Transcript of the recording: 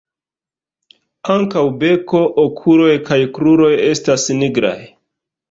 Ankaŭ beko, okuloj kaj kruroj estas nigraj.